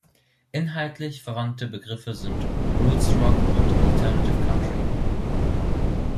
Inhaltlich verwandte Begriffe sind Roots Rock und Alternative Country.